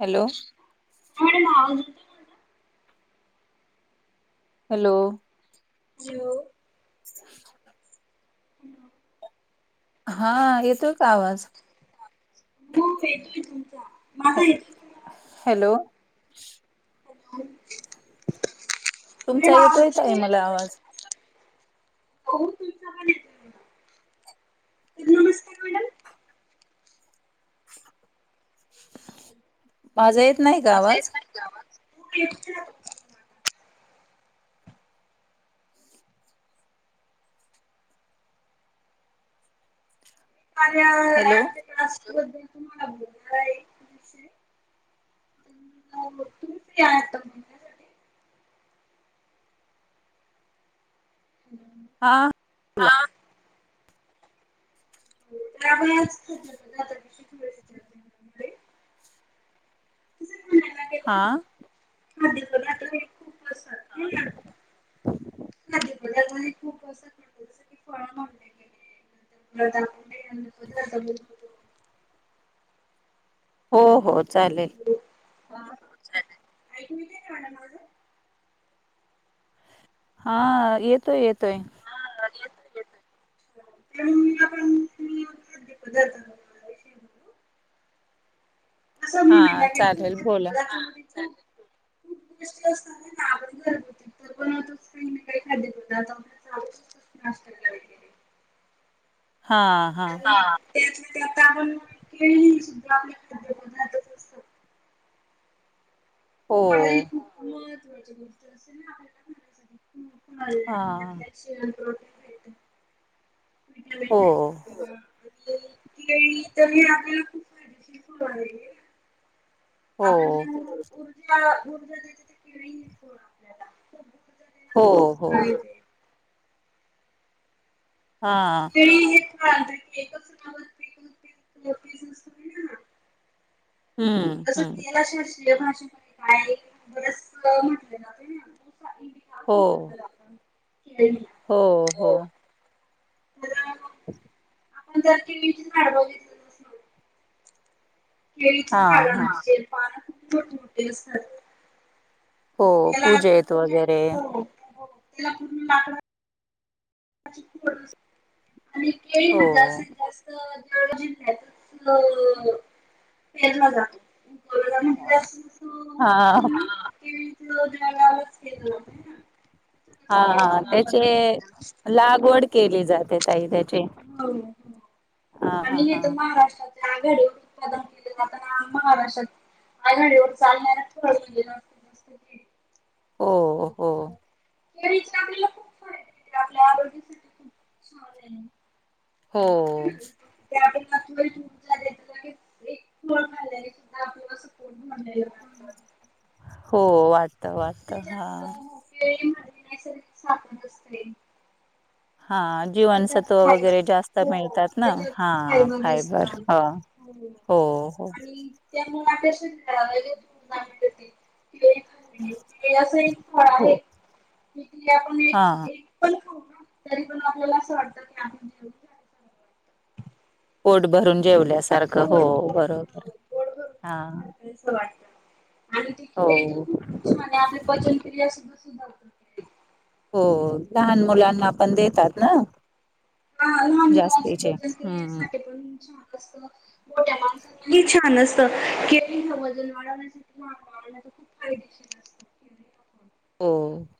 Hello अवड मावदुध hello जऊ स... हा येतोय का आवाज... खुप येतोय तुमचा ह माझा येतोय तुला... हॅलो... तुमचा म... येतोय ताई मला आवाज हो तु तर नमस्कार मॅडम.... माझं य... अस येत नाही गवा.... अ..... हॅलो..... शध्या मभे तू...., हा... हा त्यामुळे थोडे त हा खदीपड हे खूप असत खदीपड पण खूप असंत जस क फळ [unintelligible] हो हो चालेल... ह म्ह माझं.... हा येतोय येतोय.... ेत... पदार्थ विषय ब असं हा म्हणाय लागेल चालेल बोला म चांग... खूप गोष्टी असतना ना आपण घरगुती तर.... काही ना काही खाद नाला वगैरे... हा हा..... त्यात त्यात आपण केळी सुद्धा आपले खाद्य पदार्थच असतात.... हो पाई खूप महत्त्वाची गोष्ट असेल ना आपल्याला हा कयसाठी... हटल्याोटीळत.... हो तर आपल्याला खूप फायदेशीर सुर आहे... हो आपल्या ज ऊर्जा ऊर्जा दची आपल्याला खू हो हो... हा हेच.... हम्म हम्म... भाष काय बरच म्हटले न.... हो.... ह हो हो... ह.... हो.... आपण जर टी व्ही अडवाव घलं... केळीचे हा झाड हा पानं खूप मोठे मोठे असतात... हो आणि त्याला तर पूजेत पूर्ण वगैरे हो त्याला पूर्ण लाकड.... आणि केळी हो ह जास्तीत जास्त जिल्ह्यातच केरला जातो.... उगवला म्हणजे जास्तीत हा हो केळीचं हा त्याचे उत्पादन घेतात. लागवड केली जाते तई त्याची हो हो. हा हा हा आघाडी उत्पादन केले जात महाराष्ट्रात अ सास् [inaudible] हो हो तरी आपल्याला खूप फायदा आपल्या आरोग्यासाठी खूप छान आहे. हो ा आपल्याला [unintelligible] [unintelligible] हो वाट त्याच्यात होपीळी म नैसर्गिक साप असते हा जीवनसत्व त्याच्यातई वगैरे जास्त हो मिळतात ना त्याच्यात हा साईमान फायबर असतात ह हो आणि त्यामुळेल्या [unintelligible] के केळी असं एक फळ हो आहे तिथे आपण एक हा एक पण तरी पण आपल्याला असं वाटतं की आपण जेवयच पोट भरून जेवल्यासारखं हो पोट भर पोट बरोबर भरून हा. झाल्यासारखं असं वाटतं आणि देखील हो तर खूप छान आहे आपली पचनक्रिया सुद्धा सुधारते. हो लहान मुलांना पण देतात ना. हा लहान मुलाचे जास्तीचे हम्म पचनक्रियेसाठी पण छान मोठ्या माणसासाठी ही छान असत ते वजन वाढवण्यासाठी खूप फायदेशीर असतात. हो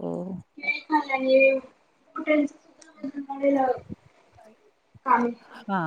हो [unintelligible] काम हा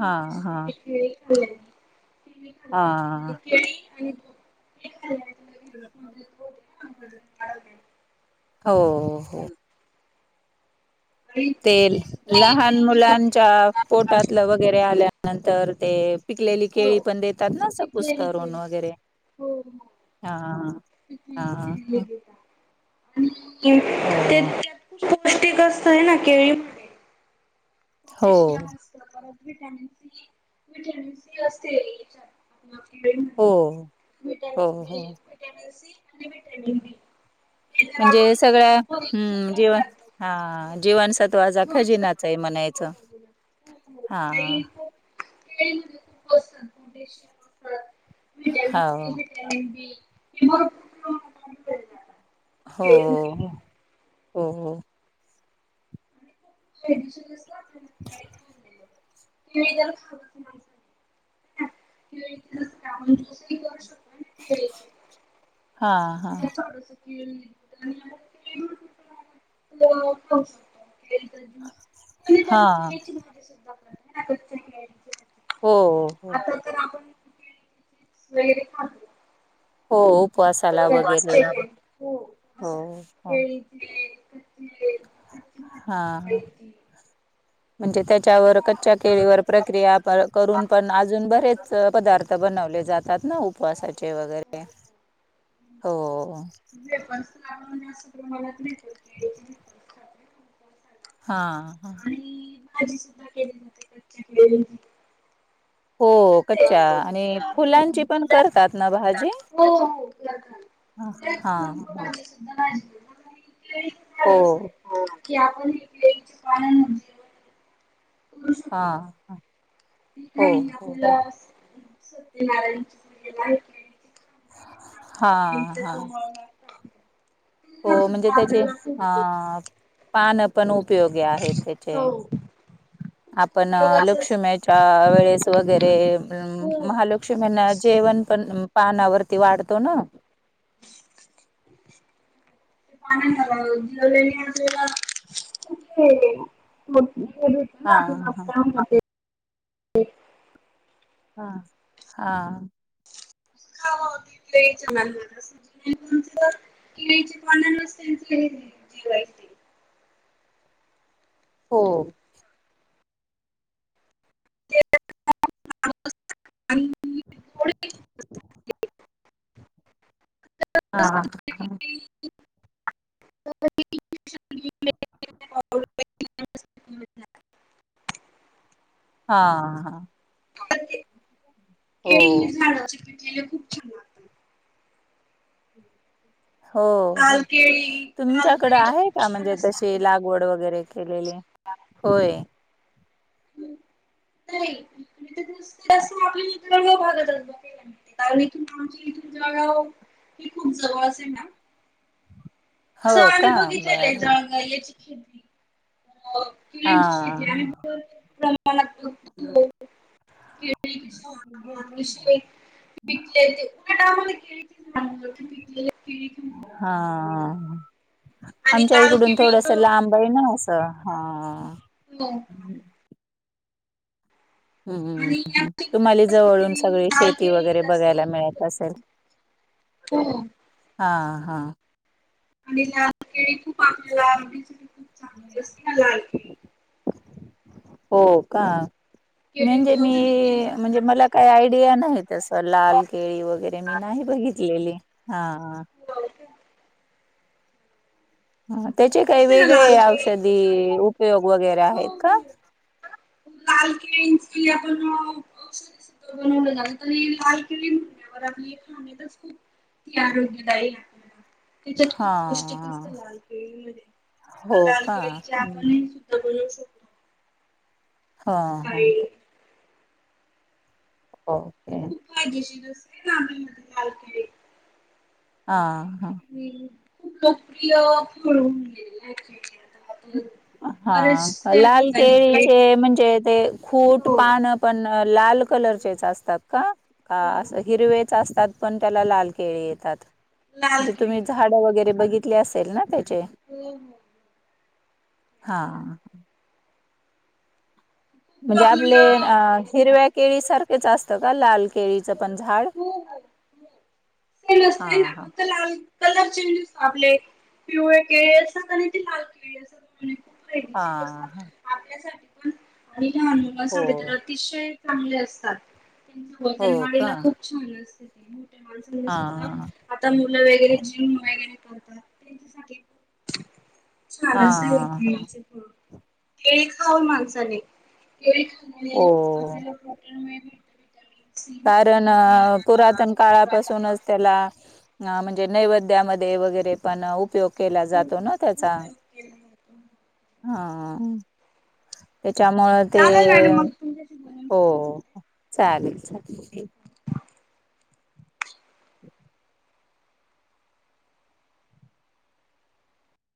हा हा हे कुणी हा केळी आणि तूप वाढवण्यात. हो हो. आणि ते दूध सुद्धा लहान तेज होते. मुलांच्या पोटातलं वगैरे आल्यानंतर ते पिकलेली केळी हो पण देतात ना असं पिकलेली कुसकरून केळी वगैरे हो हो हा हा पिकलेली केळी हो देतात ते त्यांना पौष्टिक असतय ना केळीमधे हो पोटॅशियम असतं व्हिटामिन सी वीटॅमिन सी असते व्हिटॅमिन हो हो हो बी, व्हिटॅमिन सी आणि व्हिटॅमिन डी हे जर म्हणजे आपण सगळ्यां भरपूर हुं जीवन प्रमाणात हा जीवनसत्त्व तो आज हा हो खजिनाचा आहे म्हणायचं हो बोला. हो हा. केळी [unintelligible] हो [unintelligible] हो केळीमध्ये हो. [unintelligible] केळी नसत आपण ज्यूस ही करू शकतो ना केळीचे हा हा केळी फ्रूट ज्युस पितो ना आपण फ्रुट ज्यूस केळीचा ज्यूस कोणी हा कोणी केळीची भाजीसुद्धा करतात कच्च्या केळीची हो हो हो आता तर [unintelligible] हो उपवासाला हो वगैरे उपवासाला हो पण हो केळीचे कच्चे कच्ची हा भाजी ह केळीची म्हणजे त्याच्यावर कच्च्या त्याच्यावर केळीवर प्रक्रिया त्यांच्या करून पण अजून बरेच पदार्थ बनवले जातात. ना उपवासाचे वगैरे हो का पण असं मला तर येतो हा हा आणि भाजी सुद्धा केली जाते कच्च्या केळीची हो कच्च्या आणि फुलांची पण हो त्यात करतात ना भाजी दोन हा हा. प्रकारची सुद्धा भाजी करतात आणि हो की आपण ही केळीच्या पानावर जेवण हा हा हो हो आपण सत्यनारायणाच्या वेळेला केळीची खांब हा केळीचं हा कमळ लागतात हो ते म्हणजे सुद्धा त्याचे आपल्याला खूप ह पानं पण उप योगी आहेत त्याचे आपण उपयोगाच लक्ष्म्याच्या असतं वेळेस वगैरे हो महालक्ष्यूम्या ना जेवण पण पानावरती वाढतो ना. पानांवर जेवल्याने आपल्याला हा हा के [unintelligible] हा हा हा घेतलं चनल मला त कळीचे पस त्यांचे जेवायचे हो ते आणि थ हा हा हा आ ते हो केळी झाडाचे पिठलेले खूप छानात हो लाल हो केळी लाल तुमच्याकडें केळी तर आहे खूप का छान म्हणजे असतात तशी आपल्याला. लागवड वगैरे केलेले होय हम्म नाही आप भागतला कार आ तुम गा हे खूप जवळ अस आहे ना तसं हो आम्ही का बघितलेलंय बर जाळगा याची खिडी हा किळ्यांची शती आला त ि क क पिकले टामा ां प हा आणि आमच्या लाल इकडून केळी थोडस तर लांब आहे ना हो असं हा [inaudible] हम्म आणि हम्म हम्म आमच्या तुम्हाला जवळून इकडे सगळी लाल शेती केळी वगैरे जास्त बघायला मिळत असेल हो हा हा आणि लाल केळी खूप आपल्याला आरडीच खूप चांगली असते ना लाल केळी हो का म्हणजे केळीची मी औषधी केली म्हणजे जातात. मला काही आयडिया नाही तस लाल केळी वगैरे मी नाही बघितलेली हा हो ह त्याचे काही असते ना लाल वेगळे केळी औषधी उपयोग वगैर हो हो लाल केळींचे आपण औषध बनवलं ऐकले म्हणवर आपली खाच खूप त आरोग्यदायी आपल्याला त्याच्यात हां खूप पौष्टिक हां असतं लालकिळीमध्येध्ये हो का? लालकिळीचे आपण हं. बोलकत हा हा ह. ह. खूप फायदेशीर असते गम्यामध्ये लालकडे हा. आणि खूप लोकप्रिय फळू म्हन गले आहेत आ. हा लाल केळीचे म्हणजे ते खूट हो पान पण लाल कलरचेच असतात का हो अस हिरवे असतात पण त्याला लाल केळी येतात लाल म्हणे केळी तुम्ही झाड वगैरे बघितली असेल ना त्या हम् हम. हा ह. म्हणजे आपले आपल्याला हिरव्या केळी सारखेच असतं का लाल केळीच पण झाड हो हो सेम हा असतय ना हा. फक्त लाल कलर चेंजेस लाबले पिवळे केळी अस का नाही ते लाल केळी अस. हा ह. ण आणि लहान मुलांसाठी तर अतिशय चांगले असतात. त्यां हो का? वजनवाडीला खूप छान असते ते मोठ्या माणसांनी सुद्धा हां, आता मी आप वगैरे जिम वगैरे करतातच्या छान अस आहे हां, हां. खळचे फ केळे खाव माणसाने क हो. आपले आपले [unintelligible] आ पुरातन काळापासूनच त्याला आ मणजे नैवेद्यामध्ये वे गेरे पण उपयोग केला खूप जातो ना त्याचा उपयोग केला जातो. हा आ. त्याच्यामुळ ते चालेल मॅडम मग तुमच्याशी बोलून हो छान वाटलं. चालेल चालेल.